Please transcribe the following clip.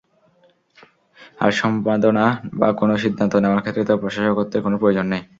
আর, সম্পাদনা বা কোনও সিদ্ধান্ত নেওয়ার ক্ষেত্রে তো প্রশাসকত্বের কোনও প্রয়োজন নেই।